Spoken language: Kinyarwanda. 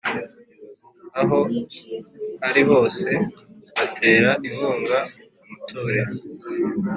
aho ari hose atera inkunga amatorero